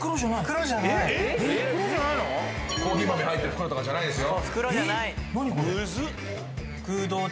コーヒー豆入ってる袋とかじゃないですよ。